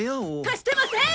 貸してません！